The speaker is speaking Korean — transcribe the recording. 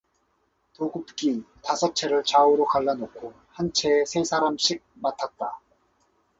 도급기 다섯 채를 좌우로 갈라 놓고 한 채에 세 사람씩 맡았다.